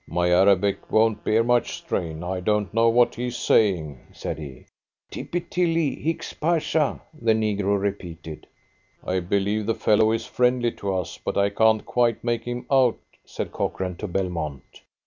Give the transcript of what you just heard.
"My Arabic won't bear much strain. I don't know what he is saying," said he. "Tippy Tilly. Hicks Pasha," the negro repeated. "I believe the fellow is friendly to us, but I can't quite make him out," said Cochrane to Belmont.